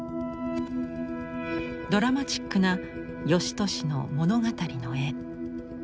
ドラマチックな芳年の物語の絵。